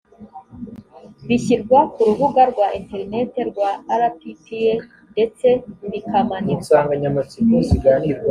bishyirwa ku rubuga rwa interineti rwa rppa ndetse bikamanikwa